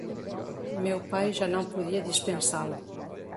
meu pai já não podia dispensá-lo.